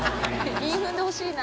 韻踏んでほしいな。